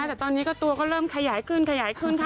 แต่ตอนนี้ก็ตัวก็เริ่มขยายขึ้นขยายขึ้นค่ะ